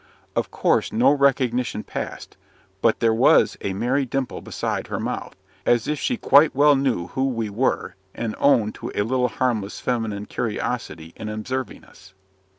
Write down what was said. Of course no recognition passed; but there was a merry dimple beside her mouth, as if she quite well knew who we were, and owned to a little harmless feminine curiosity in observing us.